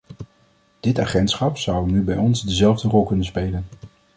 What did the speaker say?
Dit agentschap zou nu bij ons dezelfde rol kunnen spelen.